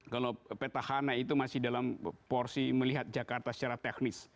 kalau petahana itu masih dalam porsi melihat jakarta secara teknis